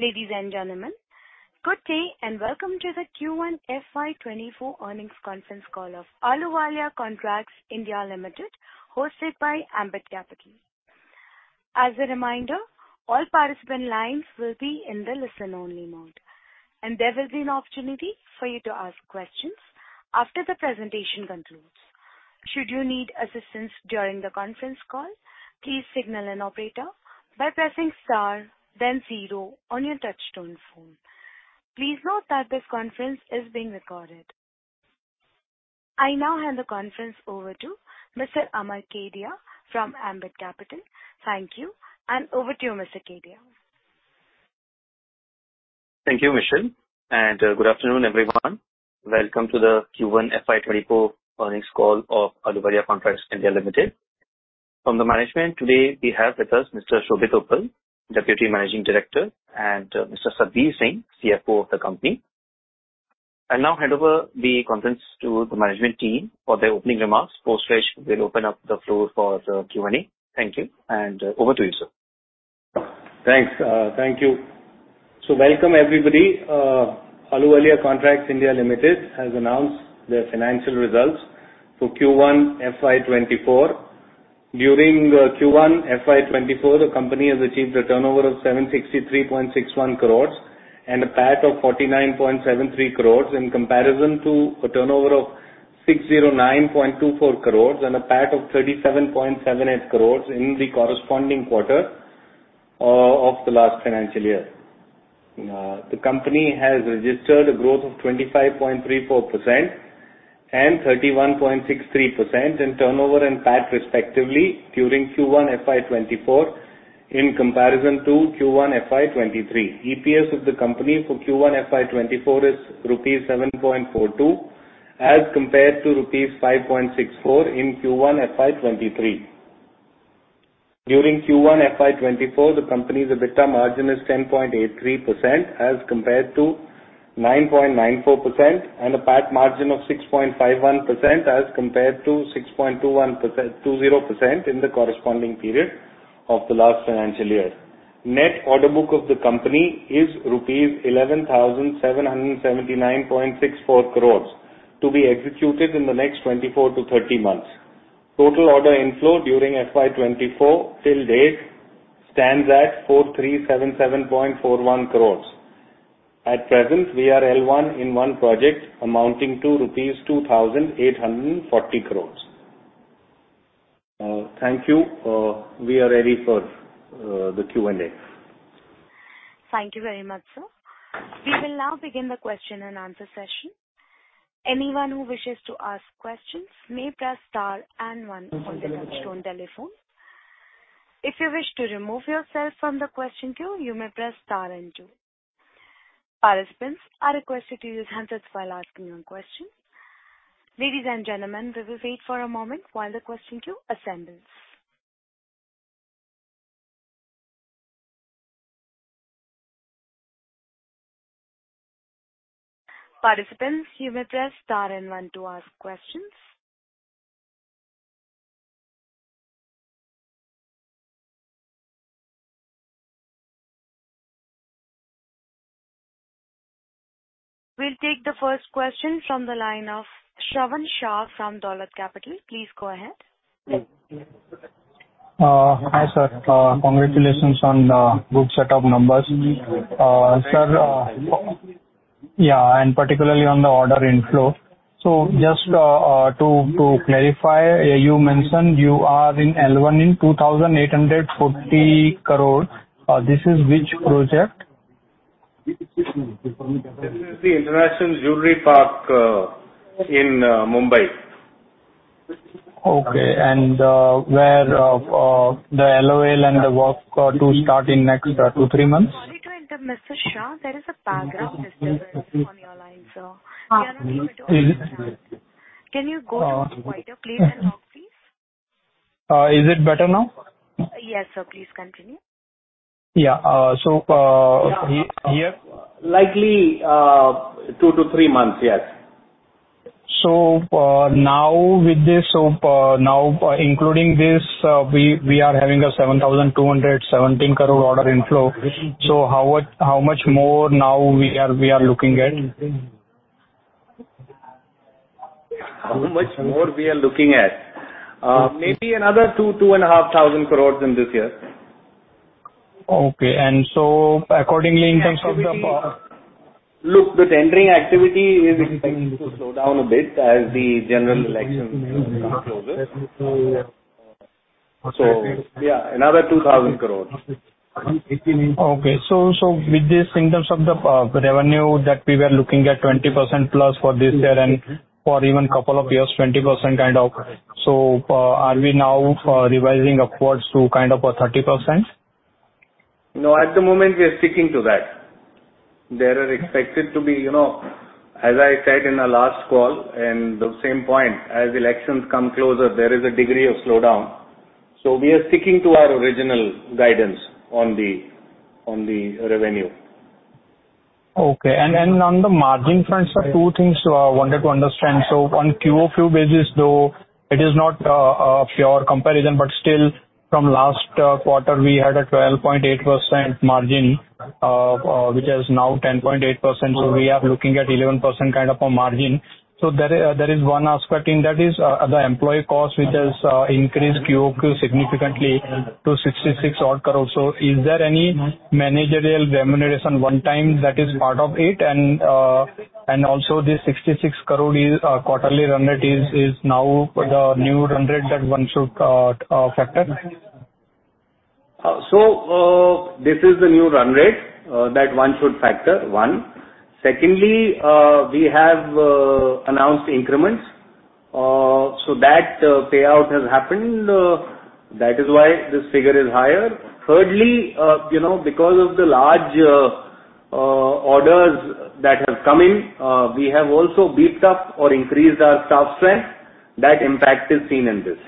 Ladies and gentlemen, good day and welcome to the Q1 FY 2024 earnings conference call of Ahluwalia Contracts (India) Limited, hosted by Ambit Capital. As a reminder, all participant lines will be in the listen-only mode, and there will be an opportunity for you to ask questions after the presentation concludes. Should you need assistance during the conference call, please signal an operator by pressing star, then zero on your touch-tone phone. Please note that this conference is being recorded. I now hand the conference over to Mr. Amar Kedia from Ambit Capital. Thank you, and over to you, Mr. Kedia. Thank you, Michelle, and good afternoon, everyone. Welcome to the Q1 FY 2024 earnings call of Ahluwalia Contracts (India) Limited. From the management, today we have with us Mr. Shobhit Uppal, Deputy Managing Director, and Mr. Satbeer Singh, CFO of the company. I'll now hand over the conference to the management team for their opening remarks, post which we'll open up the floor for the Q&A. Thank you, and over to you, sir. Thanks. Thank you. So welcome, everybody. Ahluwalia Contracts (India) Limited has announced their financial results for Q1 FY 2024. During Q1 FY 2024, the company has achieved a turnover of 763.61 crore and a PAT of 49.73 crore in comparison to a turnover of 609.24 crore and a PAT of 37.78 crore in the corresponding quarter of the last financial year. The company has registered a growth of 25.34% and 31.63% in turnover and PAT, respectively, during Q1 FY 2024 in comparison to Q1 FY 2023. EPS of the company for Q1 FY 2024 is rupees 7.42, as compared to rupees 5.64 in Q1 FY 2023. During Q1 FY 2024, the company's EBITDA margin is 10.83%, as compared to 9.94%, and a PAT margin of 6.51%, as compared to 6.20% in the corresponding period of the last financial year. Net order book of the company is rupees 11,779.64 crore to be executed in the next 24 to 30 months. Total order inflow during FY 2024 till date stands at 4,377.41 crore. At present, we are L1 in one project amounting to rupees 2,840 crore. Thank you. We are ready for the Q&A. Thank you very much, sir. We will now begin the question and answer session. Anyone who wishes to ask questions may press star and one on the touch-tone telephone. If you wish to remove yourself from the question queue, you may press star and two. Participants are requested to use handsets while asking your question. Ladies and gentlemen, we will wait for a moment while the question queue assembles. Participants, you may press star and one to ask questions. We'll take the first question from the line of Shravan Shah from Dolat Capital. Please go ahead. Hi, sir. Congratulations on the good set of numbers. Sir, yeah, and particularly on the order inflow. So just to clarify, you mentioned you are in L1 in 2,840 crore. This is which project? This is the India Jewellery Park Mumbai. Okay. And where the LOA and the work to start in next two, three months? Sorry to interrupt, Mr. Shah. There is a background disturbance on your line, sir. Can you go to the speaker, please, and talk, please? Is it better now? Yes, sir. Please continue. Yeah. So here. Likely two to three months, yes. So now with this, so now including this, we are having an 7,217 crore order inflow. So how much more now we are looking at? How much more we are looking at? Maybe another 2,000 crore-2,500 crore in this year. Okay. And so accordingly in terms of the. Look, the tendering activity is expected to slow down a bit as the general elections come closer. So yeah, another 2,000 crore. Okay. So with this, in terms of the revenue that we were looking at, 20% plus for this year and for even a couple of years, 20% kind of. So are we now revising upwards to kind of a 30%? No, at the moment, we are sticking to that. There are expected to be, as I said in the last call, and the same point, as elections come closer, there is a degree of slowdown. So we are sticking to our original guidance on the revenue. Okay. And on the margin front, sir, two things wanted to understand. So on QOQ basis, though, it is not a pure comparison, but still from last quarter, we had a 12.8% margin, which is now 10.8%. So we are looking at 11% kind of a margin. So there is one aspect in that is the employee cost, which has increased QOQ significantly to 66 odd crore. So is there any managerial remuneration one time that is part of it? And also this 66 crore quarterly run rate is now the new run rate that one should factor? So this is the new run rate that one should factor, one. Secondly, we have announced increments. So that payout has happened. That is why this figure is higher. Thirdly, because of the large orders that have come in, we have also beefed up or increased our staff strength. That impact is seen in this.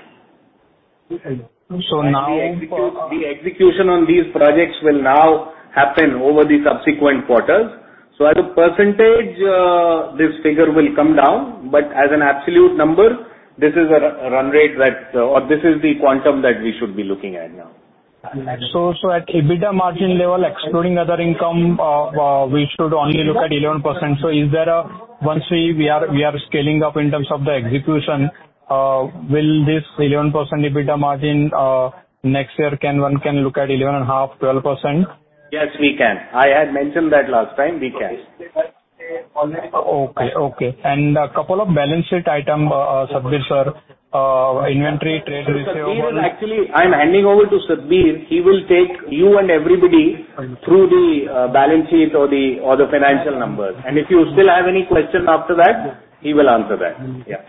So now. The execution on these projects will now happen over the subsequent quarters. So as a percentage, this figure will come down. But as an absolute number, this is a run rate, or this is the quantum that we should be looking at now. So at EBITDA margin level, excluding other income, we should only look at 11%. So is there a chance once we are scaling up in terms of the execution, will this 11% EBITDA margin next year, can one look at 11.5%-12%? Yes, we can. I had mentioned that last time. We can. Okay. Okay. And a couple of balance sheet items, Satbeer sir, inventory, trade receivable. Actually, I'm handing over to Satbeer. He will take you and everybody through the balance sheet or the financial numbers. And if you still have any questions after that, he will answer that. Yeah.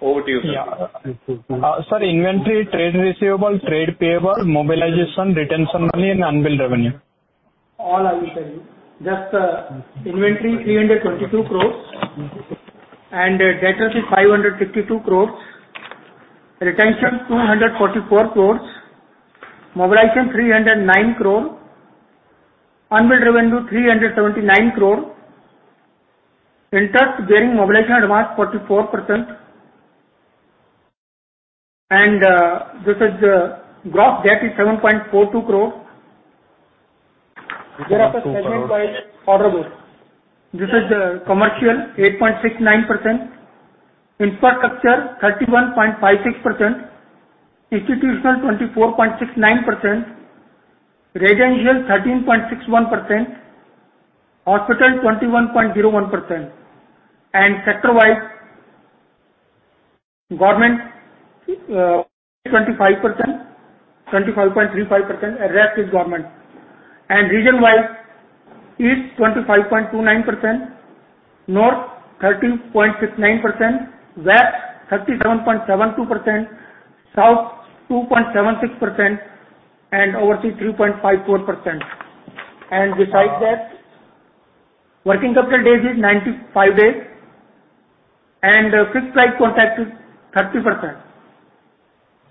Over to you, sir. Yeah. Sir, inventory trade receivable, trade payable, mobilization, retention money, and unbilled revenue. All I will tell you. Just inventory 322 crore, and debtors is 552 crore, retention 244 crore, mobilization 309 crore, unbilled revenue 379 crore, interest bearing mobilization advance 44%, and this is the gross debt is 7.42 crore. There are the segment-wise order books. This is the commercial 8.69%, infrastructure 31.56%, institutional 24.69%, residential 13.61%, hospital 21.01%, and sector-wise, government 25%, 25.35%, rest is government. And region-wise, east 25.29%, north 30.69%, west 37.72%, south 2.76%, and overseas 3.54%. And besides that, working capital days is 95 days, and fixed-price contract is 30%.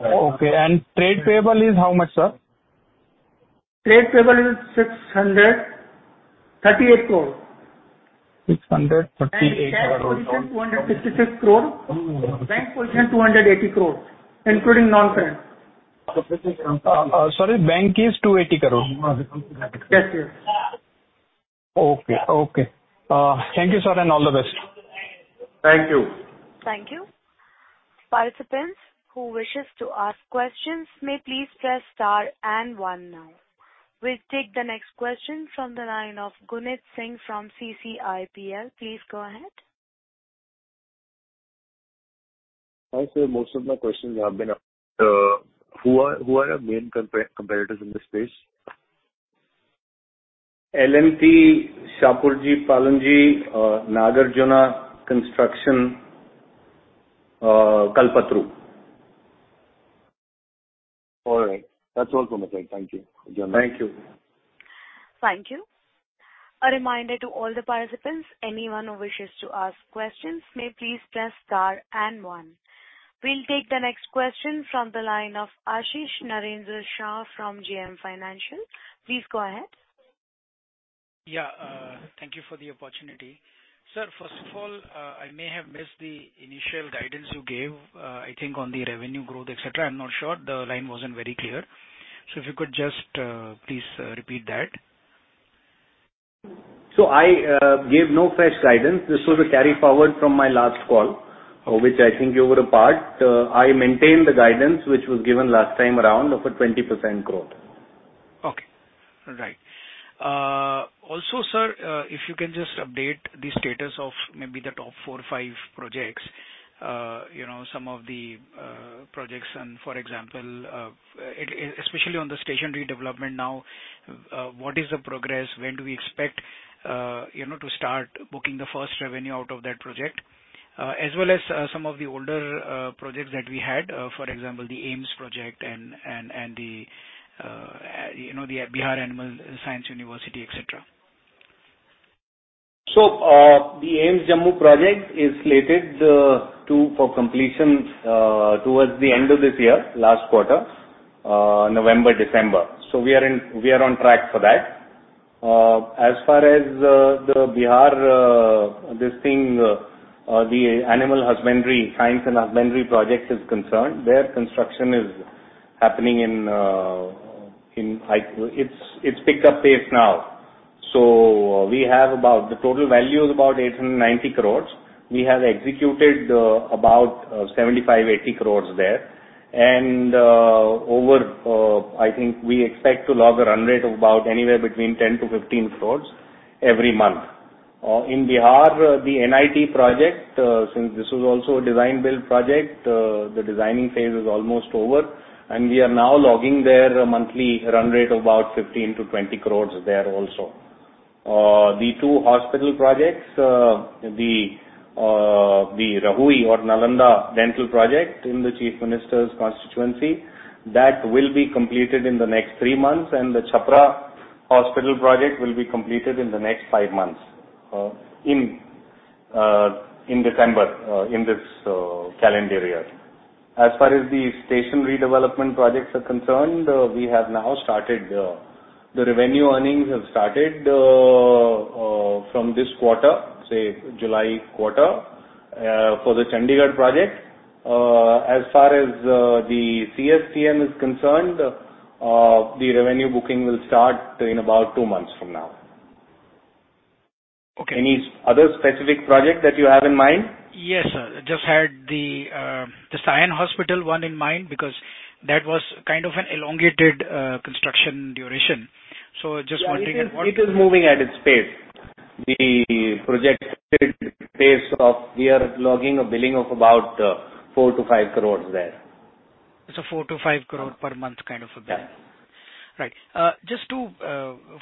Okay. And trade payable is how much, sir? Trade payable is 638 crore. 638 crore. INR 266 crore. 280 crore, including non-current. Sorry, bank is 280 crore. Yes, yes. Okay. Okay. Thank you, sir, and all the best. Thank you. Thank you. Participants who wish to ask questions, may please press star and one now. We'll take the next question from the line of Gunit Singh from Counter Cyclical Investments Private Limited. Please go ahead. Hi, sir. Most of my questions have been asked. Who are the main competitors in this space? L&T, Shapoorji Pallonji, Nagarjuna Construction, Kalpataru. All right. That's all from my side. Thank you. Thank you. Thank you. A reminder to all the participants, anyone who wishes to ask questions, may please press star and one. We'll take the next question from the line of Ashish Shah from JM Financial. Please go ahead. Yeah. Thank you for the opportunity. Sir, first of all, I may have missed the initial guidance you gave, I think, on the revenue growth, etc. I'm not sure. The line wasn't very clear. So if you could just please repeat that? So I gave no fresh guidance. This was a carry forward from my last call, which I think you would have pared. I maintain the guidance which was given last time around of a 20% growth. Okay. All right. Also, sir, if you can just update the status of maybe the top four or five projects, some of the projects and, for example, especially on the station redevelopment now, what is the progress? When do we expect to start booking the first revenue out of that project? As well as some of the older projects that we had, for example, the AIIMS project and the Bihar Animal Sciences University, etc. So the AIIMS Jammu project is slated for completion towards the end of this year, last quarter, November, December. So we are on track for that. As far as the Bihar, this thing, the Bihar Animal Sciences University project is concerned, their construction is happening, and it's picked up pace now. So we have about the total value is about 890 crore. We have executed about 75 crore-80 crore there. And over, I think we expect to log a run rate of about anywhere between 10 crore-15 crore every month. In Bihar, the NIT project, since this is also a design-build project, the designing phase is almost over. And we are now logging their monthly run rate of about 15 crore-20 crore there also. The two hospital projects, the Rahui or Nalanda dental project in the Chief Minister's constituency, that will be completed in the next three months. And the Chhapra hospital project will be completed in the next five months in December in this calendar year. As far as the station redevelopment projects are concerned, we have now started the revenue earnings have started from this quarter, say, July quarter for the Chandigarh project. As far as the CSMT is concerned, the revenue booking will start in about two months from now. Any other specific project that you have in mind? Yes, sir. Just had the Sion Hospital one in mind because that was kind of an elongated construction duration. So just wondering at what. It is moving at its pace. The projected pace of we are logging a billing of about 4 crore-5 crore there. 4 crore-5 crore per month kind of a bill. Yes. Right. Just to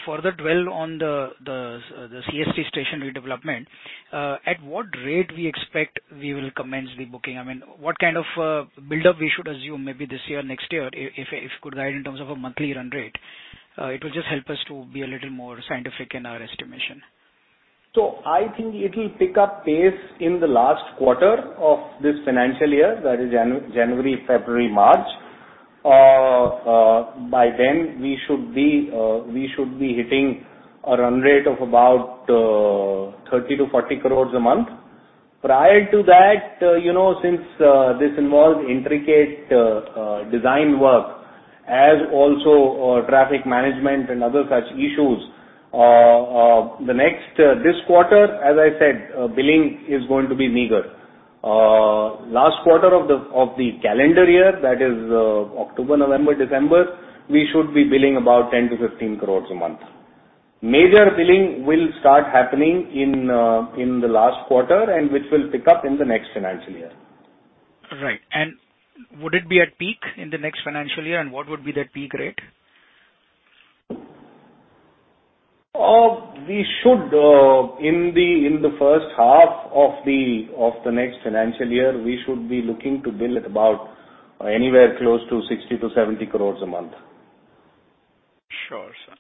further dwell on the CSMT station redevelopment, at what rate we expect we will commence the booking? I mean, what kind of build-up we should assume maybe this year, next year, if you could guide in terms of a monthly run rate? It will just help us to be a little more scientific in our estimation. I think it will pick up pace in the last quarter of this financial year, that is January, February, March. By then, we should be hitting a run rate of about 30 crore-40 crore a month. Prior to that, since this involves intricate design work, as also traffic management and other such issues, this quarter, as I said, billing is going to be meager. Last quarter of the calendar year, that is October, November, December, we should be billing about 10 crore-15 crore a month. Major billing will start happening in the last quarter and which will pick up in the next financial year. Right. And would it be at peak in the next financial year? And what would be that peak rate? We should, in the first half of the next financial year, we should be looking to bill at about anywhere close to 60 crore-70 crore a month. Sure, sir.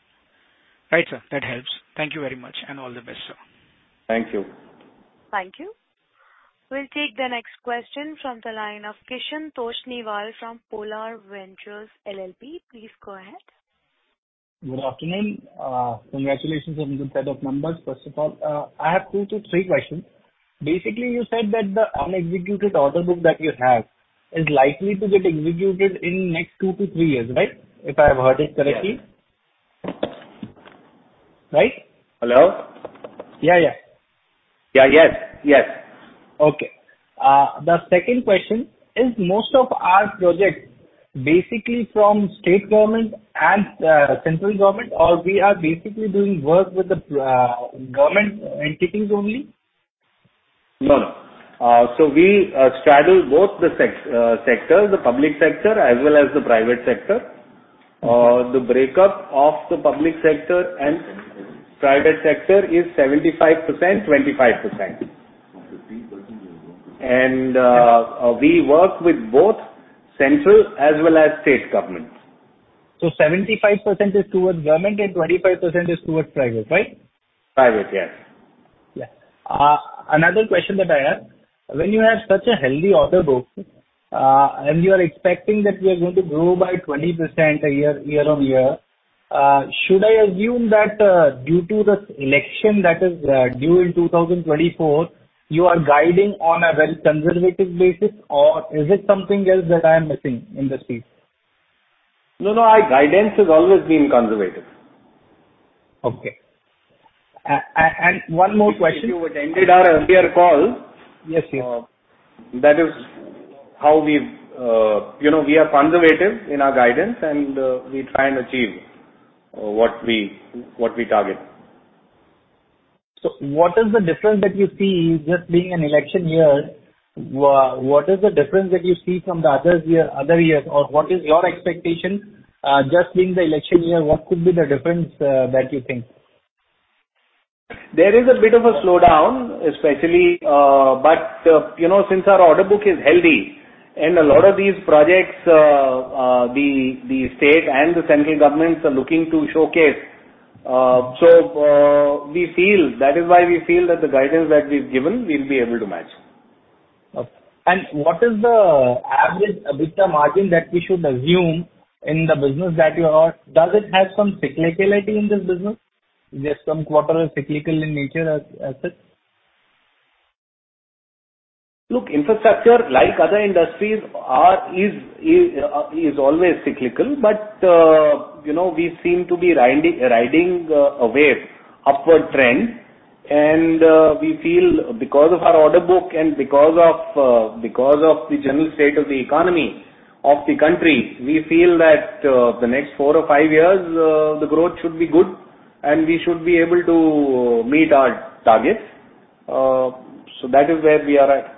Right, sir. That helps. Thank you very much and all the best, sir. Thank you. Thank you. We'll take the next question from the line of Kishan Tosniwal from Polar Ventures LLP. Please go ahead. Good afternoon. Congratulations on a good set of numbers. First of all, I have two to three questions. Basically, you said that the unexecuted order book that you have is likely to get executed in the next two to three years, right? If I have heard it correctly? Yes. Right? Hello? Yeah, yeah. Yeah, yes, yes. Okay. The second question, is most of our projects basically from state government and central government, or we are basically doing work with the government entities only? No, no, so we straddle both the sectors, the public sector as well as the private sector. The breakup of the public sector and private sector is 75%, 25%, and we work with both central as well as state government. So 75% is towards government and 25% is towards private, right? Private, yes. Yeah. Another question that I have. When you have such a healthy order book and you are expecting that we are going to grow by 20% year-on-year, should I assume that due to the election that is due in 2024, you are guiding on a very conservative basis, or is it something else that I am missing in this piece? No, no. Guidance has always been conservative. Okay. And one more question. Since you attended our earlier call. Yes, yes. That is how we are conservative in our guidance, and we try and achieve what we target. So what is the difference that you see just being an election year? What is the difference that you see from the other years, or what is your expectation? Just being the election year, what could be the difference that you think? There is a bit of a slowdown, especially, but since our order book is healthy and a lot of these projects, the state and the central governments are looking to showcase, so we feel that is why we feel that the guidance that we've given will be able to match. Okay. And what is the average EBITDA margin that we should assume in the business that you are? Does it have some cyclicality in this business? Is there some quarterly cyclical in nature as such? Look, infrastructure, like other industries, is always cyclical, but we seem to be riding a wave upward trend, and we feel, because of our order book and because of the general state of the economy of the country, we feel that the next four or five years, the growth should be good, and we should be able to meet our targets, so that is where we are at.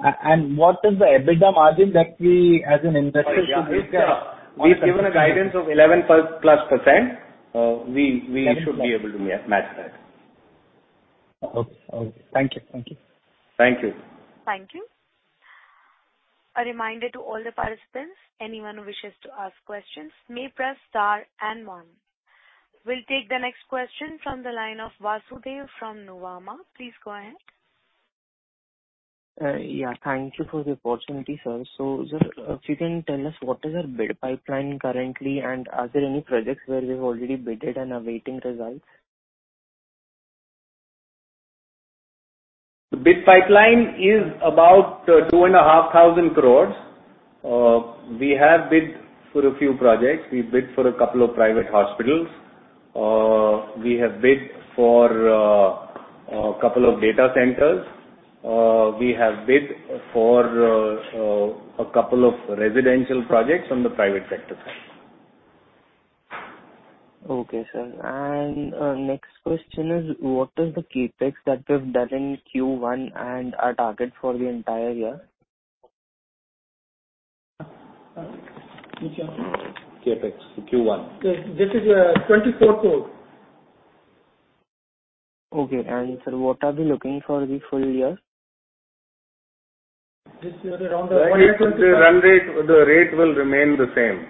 What is the EBITDA margin that we, as an investor, should look at? We've given a guidance of 11%+. We should be able to match that. Okay. Thank you. Thank you. Thank you. A reminder to all the participants, anyone who wishes to ask questions, may press star and one. We'll take the next question from the line of Vasudev from Nuvama. Please go ahead. Yeah. Thank you for the opportunity, sir. So sir, if you can tell us, what is our bid pipeline currently, and are there any projects where we've already bid and are awaiting results? Bid pipeline is about 2,500 crore. We have bid for a few projects. We bid for a couple of private hospitals. We have bid for a couple of data centers. We have bid for a couple of residential projects on the private sector side. Okay, sir. Next question is, what is the CapEx that we have done in Q1 and our target for the entire year? CapEx Q1. This is 24 crore. Okay, and sir, what are we looking for the full year? This year around the. The run rate, the rate will remain the same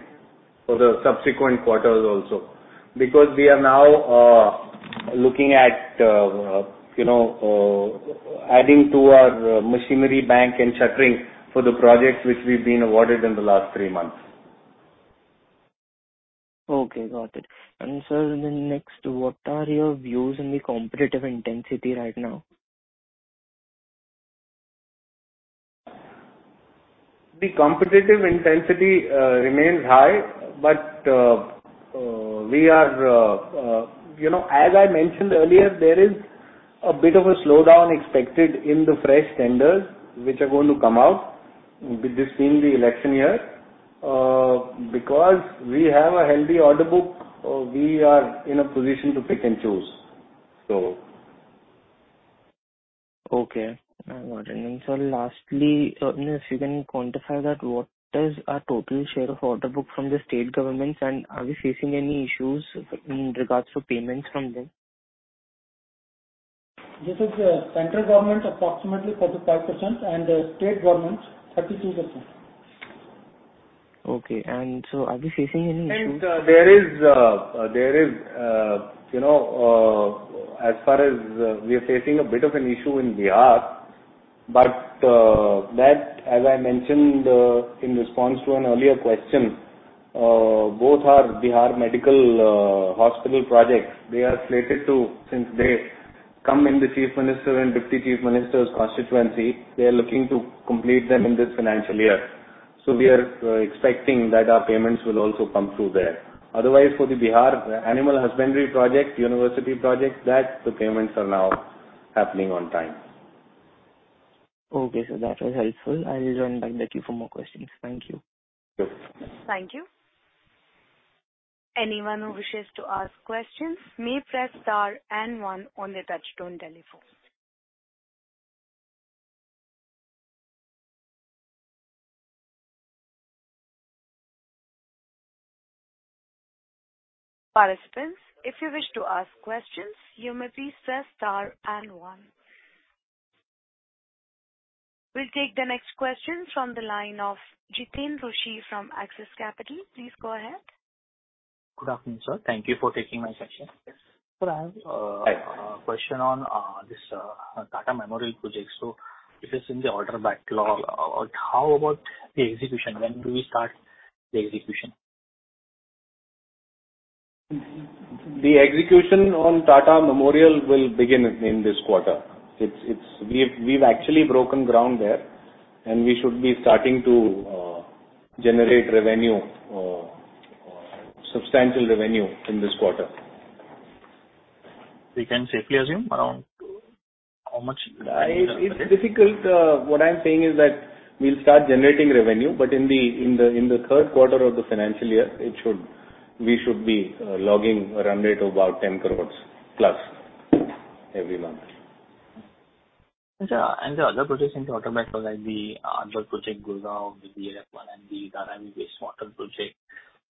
for the subsequent quarters also because we are now looking at adding to our machinery bank and shuttering for the projects which we've been awarded in the last three months. Okay. Got it. And sir, then next, what are your views on the competitive intensity right now? The competitive intensity remains high, but we are as I mentioned earlier, there is a bit of a slowdown expected in the fresh tenders which are going to come out this being the election year because we have a healthy order book. We are in a position to pick and choose, so. Okay. All right. And sir, lastly, if you can quantify that, what is our total share of order book from the state governments, and are we facing any issues in regards to payments from them? This is Central Government approximately 45% and State Government 32%. Okay. And so, are we facing any issues? There is, as far as we are facing a bit of an issue in Bihar, but that, as I mentioned in response to an earlier question, both our Bihar Medical Hospital projects, they are slated to, since they come in the Chief Minister and Deputy Chief Minister's constituency, they are looking to complete them in this financial year. So we are expecting that our payments will also come through there. Otherwise, for the Bihar Animal Sciences University project, that the payments are now happening on time. Okay. So that was helpful. I will turn back to you for more questions. Thank you. Thank you. Thank you. Anyone who wishes to ask questions may press star and one on the touch-tone telephone. Participants, if you wish to ask questions, you may press star and one. We'll take the next question from the line of Jiteen Rushe from Axis Capital. Please go ahead. Good afternoon, sir. Thank you for taking my question. Sir, I have a question on this Tata Memorial project. So it is in the order backlog. How about the execution? When will we start the execution? The execution on Tata Memorial will begin in this quarter. We've actually broken ground there, and we should be starting to generate revenue, substantial revenue in this quarter. We can safely assume around how much? It's difficult. What I'm saying is that we'll start generating revenue, but in the third quarter of the financial year, we should be logging a run rate of about 10 crore plus every month. The other projects in the order backlog, like the other project Gurugram and the Dharavi wastewater project,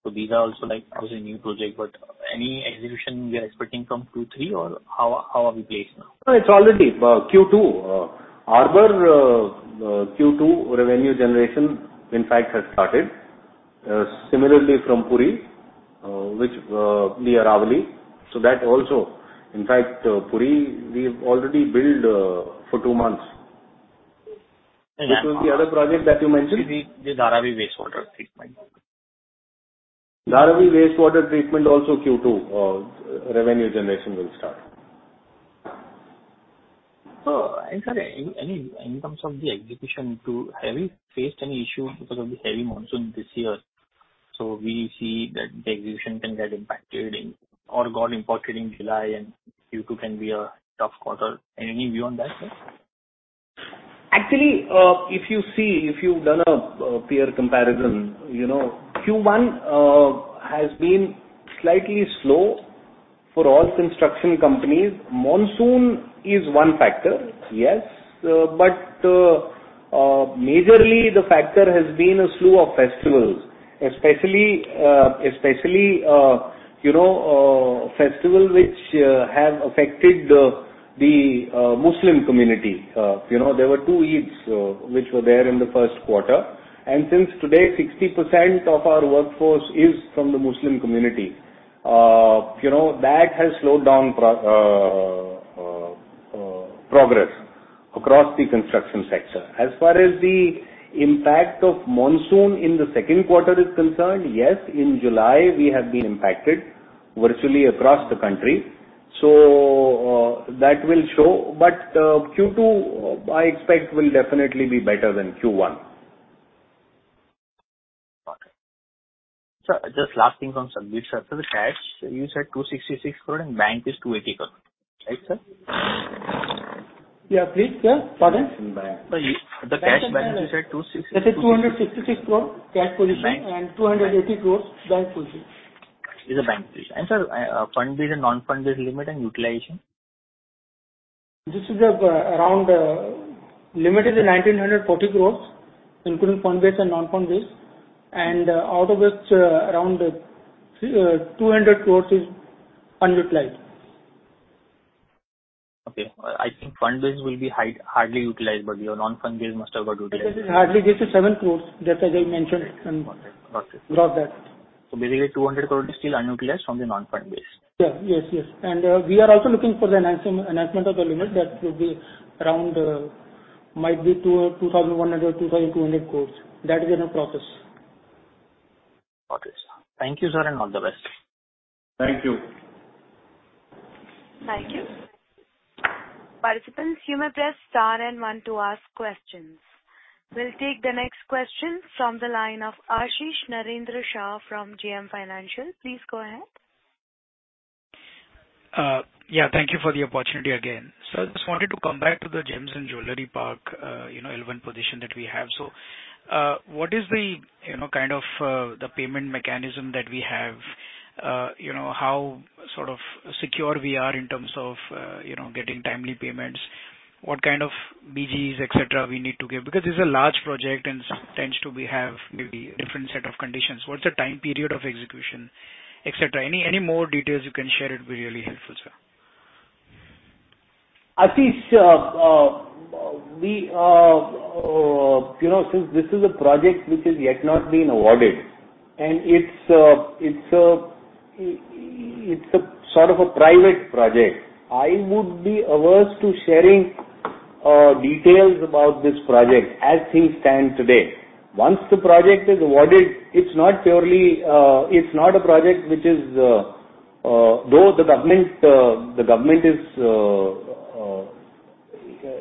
so these are also like new projects, but any execution we are expecting from Q3, or how are we placed now? It's already Q2. Our Q2 revenue generation, in fact, has started, similarly from Puri, which is the Aravalli. So that also, in fact, Puri, we've already billed for two months. And. Which was the other project that you mentioned? The Dharavi wastewater treatment. Dharavi wastewater treatment also Q2 revenue generation will start. So, in fact, in terms of the execution, have we faced any issues because of the heavy monsoon this year? So we see that the execution can get impacted or got impacted in July, and Q2 can be a tough quarter. Any view on that, sir? Actually, if you see, if you've done a peer comparison, Q1 has been slightly slow for all construction companies. Monsoon is one factor, yes, but majorly, the factor has been a slew of festivals, especially festivals which have affected the Muslim community. There were two Eids, which were there in the first quarter, and since today, 60% of our workforce is from the Muslim community, that has slowed down progress across the construction sector. As far as the impact of monsoon in the second quarter is concerned, yes, in July, we have been impacted virtually across the country, so that will show, but Q2, I expect, will definitely be better than Q1. Okay. Sir, just last thing from Satbeer sir. For the cash, you said 266 crore and bank is 280 crore. Right, sir? Yeah, please. Yeah. The cash balance, you said 266? This is INR 266 crore cash position and INR 280 crore bank position. What is the bank position? Sir, fund-based and non-fund-based limit and utilization? This is around limited to 1,940 crore, including fund-based and non-fund-based, and out of which, around 200 crore is unutilized. Okay. I think fund-based will be hardly utilized, but your non-fund-based must have got utilized. This is hardly. This is 7 crore that I just mentioned and dropped that. So basically, 200 crore is still unutilized from the non-fund-based. Yeah. Yes, yes. And we are also looking for the announcement of the limit that will be around might be 2,100 crore-2,200 crore. That is in the process. Got it. Thank you, sir, and all the best. Thank you. Thank you. Participants, you may press star and one to ask questions. We'll take the next question from the line of Ashish Shah from JM Financial. Please go ahead. Yeah. Thank you for the opportunity again. Sir, I just wanted to come back to the gems and jewellery park, L1 position that we have. So what is the kind of the payment mechanism that we have, how sort of secure we are in terms of getting timely payments, what kind of BGs, etc., we need to get? Because it's a large project and tends to have maybe different set of conditions. What's the time period of execution, etc.? Any more details you can share, it would be really helpful, sir. Ashish, since this is a project which has yet not been awarded and it's sort of a private project, I would be averse to sharing details about this project as things stand today. Once the project is awarded, it's not purely a project which is though the government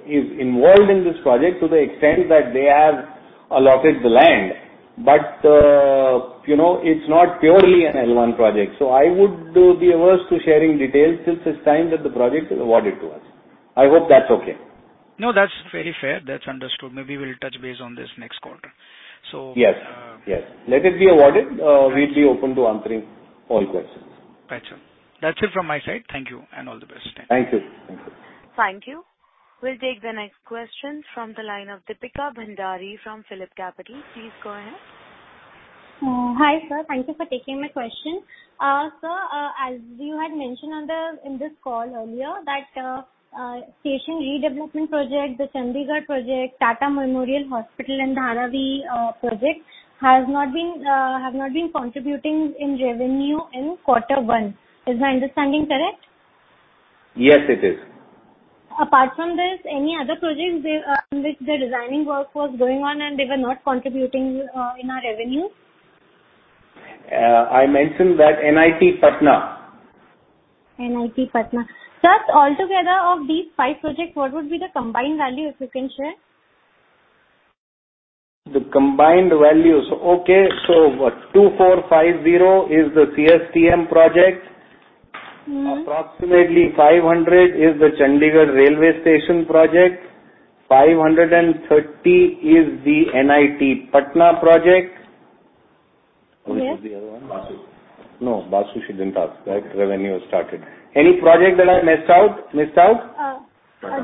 is involved in this project to the extent that they have allotted the land, but it's not purely an L1 project. So I would be averse to sharing details since it's time that the project is awarded to us. I hope that's okay. No, that's very fair. That's understood. Maybe we'll touch base on this next quarter. So. Yes. Yes. Let it be awarded. We'll be open to answering all questions. Gotcha. That's it from my side. Thank you and all the best. Thank you. Thank you. Thank you. We'll take the next question from the line of Deepika Bhandari from Phillip Capital. Please go ahead. Hi, sir. Thank you for taking my question. Sir, as you had mentioned in this call earlier, that station redevelopment project, the Chandigarh project, Tata Memorial Hospital and Dharavi project have not been contributing in revenue in quarter one. Is my understanding correct? Yes, it is. Apart from this, any other projects in which the designing work was going on and they were not contributing in our revenue? I mentioned that NIT Patna. NIT Patna. Sir, altogether of these five projects, what would be the combined value if you can share? The combined values. Okay. So 2450 is the CSMT project. Approximately 500 is the Chandigarh railway station project. 530 is the NIT Patna project. Which is the other one? No, Ashish didn't ask. That revenue was targeted. Any project that I missed out?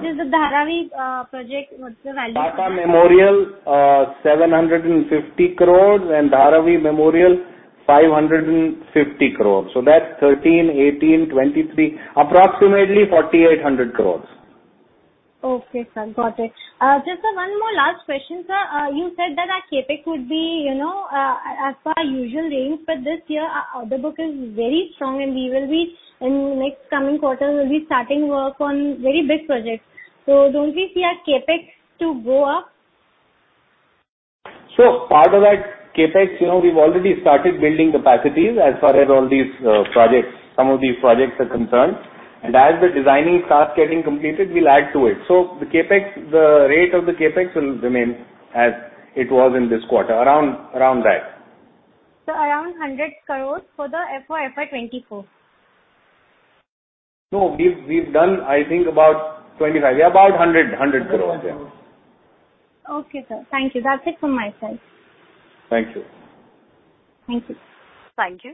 Just the Dharavi project, what's the value? Tata Memorial, 750 crore, and Dharavi Memorial, 550 crore. So that's 13, 18, 23, approximately 4,800 crore. Okay, sir. Got it. Just one more last question, sir. You said that our CapEx would be at our usual range, but this year, the order book is very strong, and we will be in the next coming quarter, we'll be starting work on very big projects. So don't we see our CapEx to go up? Sure. Part of that CapEx, we've already started building capacities as far as all these projects, some of these projects are concerned, and as the designing starts getting completed, we'll add to it, so the CapEx, the rate of the CapEx will remain as it was in this quarter, around that. Sir, around 100 crore for the FY 2024? No, we've done, I think, about 25. Yeah, about 100 crore. Okay, sir. Thank you. That's it from my side. Thank you. Thank you. Thank you.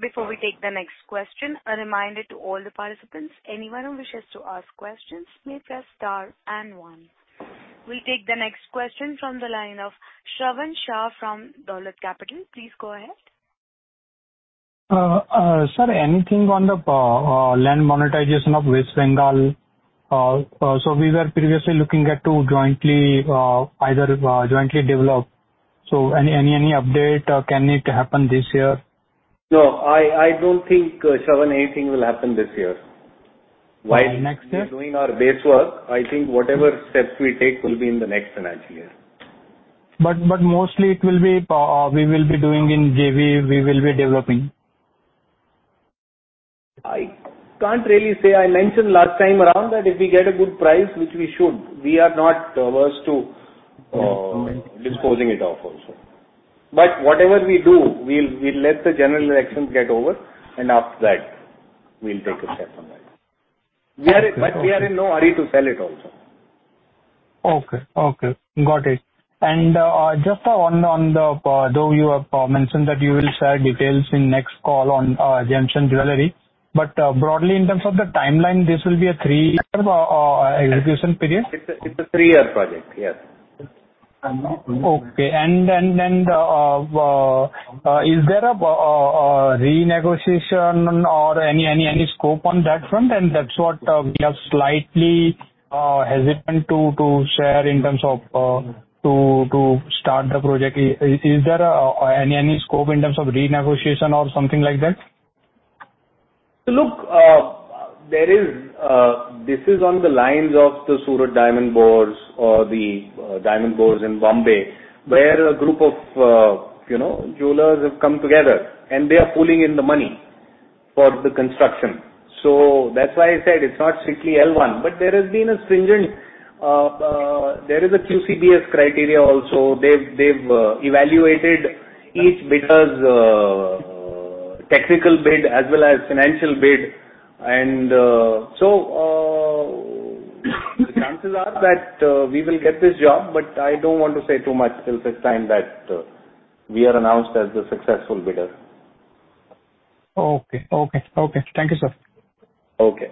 Before we take the next question, a reminder to all the participants, anyone who wishes to ask questions, may press star and one. We'll take the next question from the line of Shravan Shah from Dolat Capital. Please go ahead. Sir, anything on the land monetization of West Bengal? So we were previously looking at to jointly either develop. So any update? Can it happen this year? No, I don't think, Shravan, anything will happen this year. While next year? We're doing our base work. I think whatever steps we take will be in the next financial year. But mostly, we will be doing in JV, we will be developing. I can't really say. I mentioned last time around that if we get a good price, which we should, we are not averse to disposing it off also. But whatever we do, we'll let the general elections get over, and after that, we'll take a step on that. But we are in no hurry to sell it also. Okay. Okay. Got it. And just, although you have mentioned that you will share details in next call on gems and jewellery, but broadly, in terms of the timeline, this will be a three-year execution period? It's a three-year project. Yes. Okay. And then is there a renegotiation or any scope on that front? And that's what we are slightly hesitant to share in terms of to start the project. Is there any scope in terms of renegotiation or something like that? Look, this is on the lines of the Surat Diamond Bourse or the Diamond Bourse in Mumbai, where a group of jewelers have come together, and they are pulling in the money for the construction. So that's why I said it's not strictly L1, but there has been a stringent QCBS criteria also. They've evaluated each bidder's technical bid as well as financial bid. And so the chances are that we will get this job, but I don't want to say too much till the time that we are announced as the successful bidder. Okay. Thank you, sir. Okay.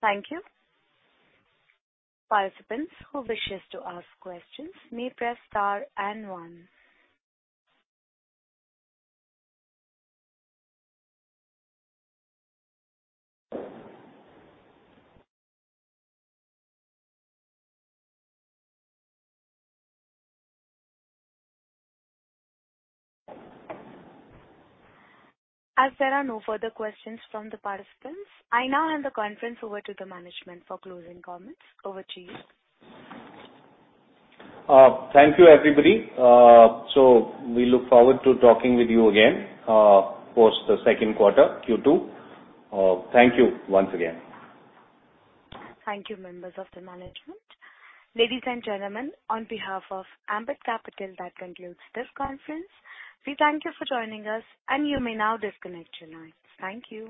Thank you. Participants who wish to ask questions may press star and one. As there are no further questions from the participants, I now hand the conference over to the management for closing comments. Over to you. Thank you, everybody. So we look forward to talking with you again post the second quarter, Q2. Thank you once again. Thank you, members of the management. Ladies and gentlemen, on behalf of Ambit Capital, that concludes this conference. We thank you for joining us, and you may now disconnect your lines. Thank you.